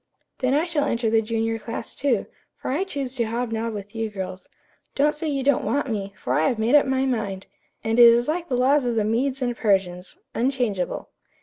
"Then I shall enter the junior class, too, for I choose to hob nob with you girls. Don't say you don't want me, for I have made up my mind; and it is like the laws of the Medes and Persians, unchangeable."